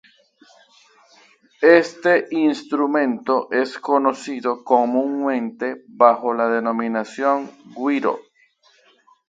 Este instrumento es conocido comúnmente bajo la denominación güiro.